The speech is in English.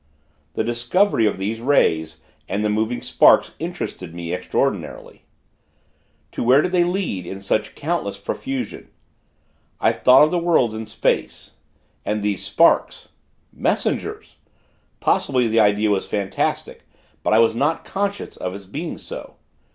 The discovery of these rays, and the moving sparks, interested me, extraordinarily. To where did they lead, in such countless profusion? I thought of the worlds in space.... And those sparks! Messengers! Possibly, the idea was fantastic; but I was not conscious of its being so.